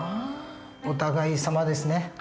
お互いさまですね。